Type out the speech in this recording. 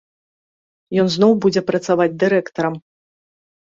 Ён зноў будзе працаваць дырэктарам.